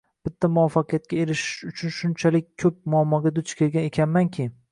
Bitta muvaffaqiyatga erishish uchun shunchalik koʻp muammoga duch kelgan ekanmanki